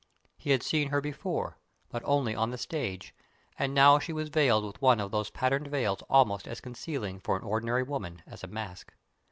He had seen her before, but only on the stage, and now she was veiled with one of those patterned veils almost as concealing for an ordinary woman as a mask.